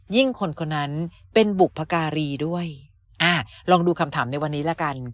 คนคนนั้นเป็นบุพการีด้วยอ่าลองดูคำถามในวันนี้ละกัน